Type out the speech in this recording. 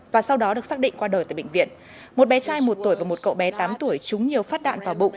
và sau đó được xác định qua đời tại bệnh viện một bé trai một tuổi và một cậu bé tám tuổi trúng nhiều phát đạn vào bụng